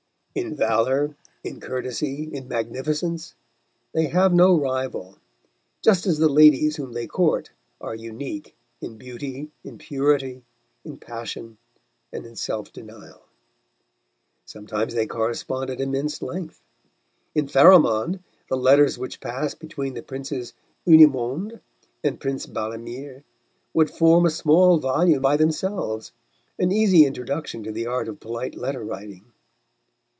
In valour, in courtesy, in magnificence they have no rival, just as the ladies whom they court are unique in beauty, in purity, in passion, and in self denial. Sometimes they correspond at immense length; in Pharamond the letters which pass between the Princess Hunnimonde and Prince Balamir would form a small volume by themselves, an easy introduction to the art of polite letter writing.